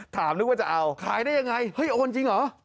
นึกว่าจะเอาขายได้ยังไงเฮ้ยโอนจริงเหรอ